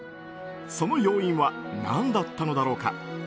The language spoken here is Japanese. その要因は何だったのだろうか。